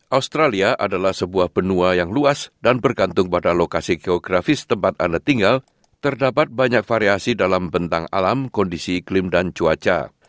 australia adalah sebuah benua yang luas dan bergantung pada lokasi geografis tempat anda tinggal terdapat banyak variasi dalam bentang alam kondisi iklim dan cuaca